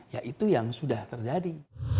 ya itu yang sudah terjadi